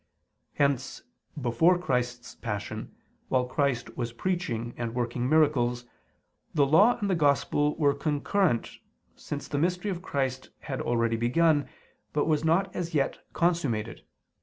Hence, before Christ's Passion, while Christ was preaching and working miracles, the Law and the Gospel were concurrent, since the mystery of Christ had already begun, but was not as yet consummated.